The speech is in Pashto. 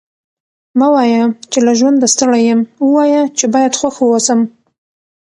مه وايه! چي له ژونده ستړی یم؛ ووايه چي باید خوښ واوسم.